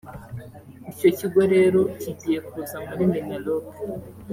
Icyo kigo rero kigiye kuza muri Minaloc